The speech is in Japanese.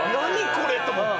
これ！と思って。